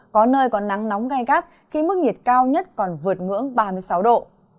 có nơi có nắng nóng gai gắt khi mức nhiệt cao nhất còn vượt ngưỡng ba mươi sáu độ